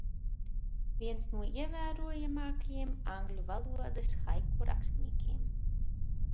Viens no ievērojamākajiem angļu valodas haiku rakstniekiem.